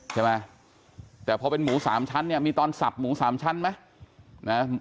ใช่ไหมแต่พอเป็นหมูสามชั้นเนี่ยมีตอนสับหมูสามชั้นไหมนะ